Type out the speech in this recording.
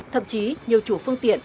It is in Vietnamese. thậm chí nhiều chủ phương tiện